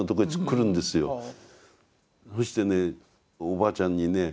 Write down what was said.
そしてねおばあちゃんにね